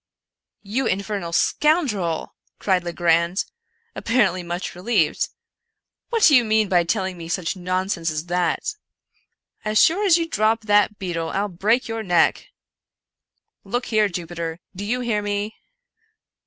" You infernal scoundrel !" cried Legrand, apparently much relieved, " what do you mean by telling me such non sense as that? As sure as you drop that beetle I'll break your neck. Look here, Jupiter, do you hear me